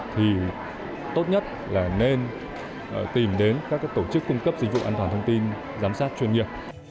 thì tốt nhất là nên tìm đến các tổ chức cung cấp dịch vụ an toàn thông tin giám sát chuyên nghiệp